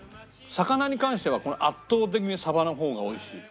魚に関しては圧倒的に鯖の方が美味しい。